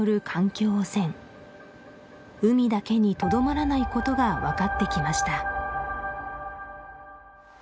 海だけにとどまらないことが分かってきました